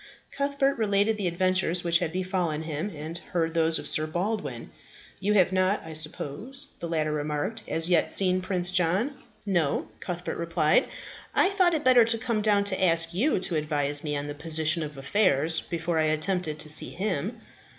Cuthbert related the adventures which had befallen him, and heard those of Sir Baldwin. "You have not, I suppose," the latter remarked, "as yet seen Prince John?" "No," Cuthbert replied, "I thought it better to come down to ask you to advise me on the position of affairs before I attempted to see him."